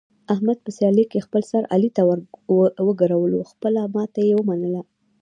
احمد په سیالۍ کې خپل سر علي ته وګرولو، خپله ماتې یې و منله.